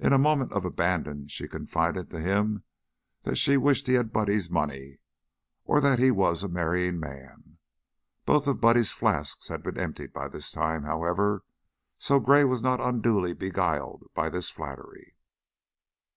In a moment of abandon she confided to him that she wished he had Buddy's money or that he was a marrying man. Both of Buddy's flasks had been emptied by this time, however, so Gray was not unduly beguiled by this flattery.